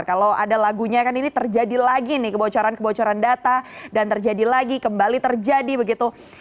kalau ada lagunya kan ini terjadi lagi nih kebocoran kebocoran data dan terjadi lagi kembali terjadi begitu